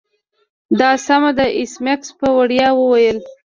دا سمه ده ایس میکس په ویاړ وویل